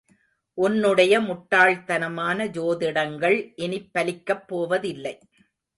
உன்னுடைய முட்டாள்தனமான ஜோதிடங்கள் இனிப் பலிக்கப்போவதில்லை.